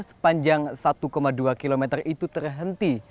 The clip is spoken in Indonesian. sepanjang satu dua km itu terhenti